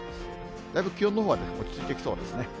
だいぶ気温のほうは落ち着いてきそうですね。